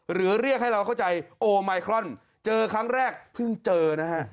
เรียกให้เราเข้าใจโอไมครอนเจอครั้งแรกเพิ่งเจอนะฮะ